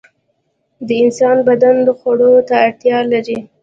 د انسان بدن خوړو ته اړتیا لري.